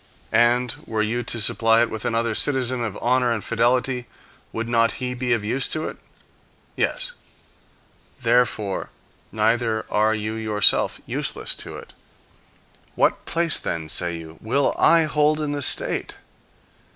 And were you to supply it with another citizen of honor and fidelity, would not he be of use to it? Yes. Therefore neither are you yourself useless to it. "What place, then, say you, will I hold in the state?"